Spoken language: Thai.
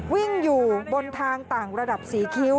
วิ่งอยู่บนทางต่างระดับสีคิ้ว